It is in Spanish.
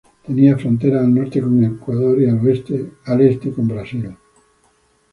Tenía fronteras al norte con Ecuador y al este con Brasil.